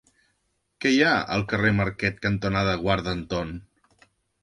Què hi ha al carrer Marquet cantonada Guarda Anton?